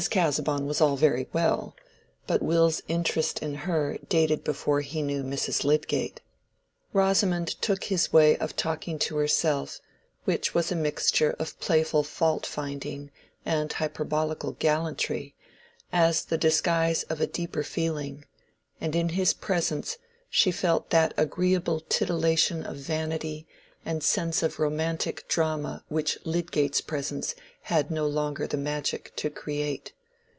Casaubon was all very well; but Will's interest in her dated before he knew Mrs. Lydgate. Rosamond took his way of talking to herself, which was a mixture of playful fault finding and hyperbolical gallantry, as the disguise of a deeper feeling; and in his presence she felt that agreeable titillation of vanity and sense of romantic drama which Lydgate's presence had no longer the magic to create.